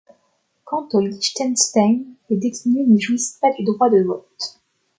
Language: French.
Quant au Liechtenstein, les détenus n’y jouissent pas du droit de vote.